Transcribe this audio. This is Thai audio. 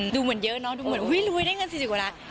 ดูเหมือนเยอะเนอะดูเหมือนอุ๊ยรวยได้เงิน๔๐กว่าล้าน